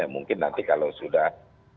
mungkin nanti kalau sudah